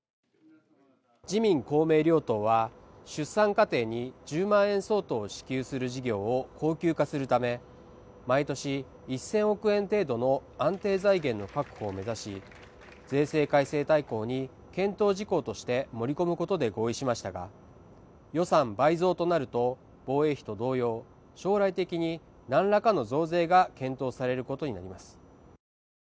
自民公明両党は出産家庭に１０万円相当を支給する事業を恒久化するため毎年１０００億円程度の安定財源の確保を目指し税制改正大綱に検討事項として盛り込むことで合意しましたが予算倍増となると防衛費と同様将来的に何らかの増税が検討されることになります